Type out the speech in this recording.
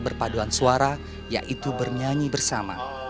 berpaduan suara yaitu bernyanyi bersama